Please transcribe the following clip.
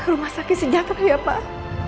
rumah sakit sejahtera ya pak